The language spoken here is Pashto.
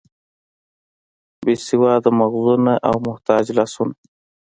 بې سواده مغزونه او محتاج لاسونه.